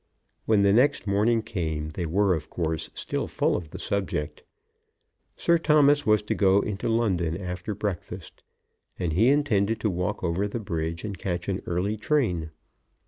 When the next morning came they were of course still full of the subject. Sir Thomas was to go into London after breakfast, and he intended to walk over the bridge and catch an early train.